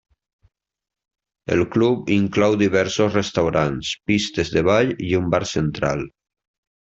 El club inclou diversos restaurants, pistes de ball i un bar central.